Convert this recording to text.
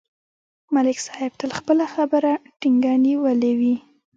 ملک صاحب تل خپله خبره ټینګه نیولې وي